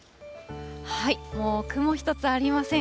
もう雲一つありません。